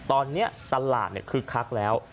ตอนนี้ตลาดคึกคักแล้ว